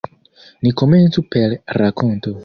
Ni komencu per rakonto.